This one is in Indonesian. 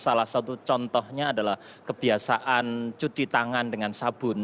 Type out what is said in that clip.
salah satu contohnya adalah kebiasaan cuci tangan dengan sabun